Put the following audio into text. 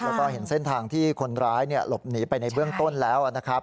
แล้วก็เห็นเส้นทางที่คนร้ายหลบหนีไปในเบื้องต้นแล้วนะครับ